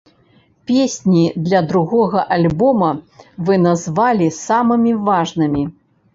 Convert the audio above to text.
Песні для другога альбома вы назвалі самымі важнымі.